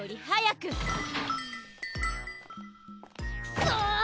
くそ！